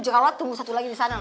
jerawat tunggu satu lagi di sana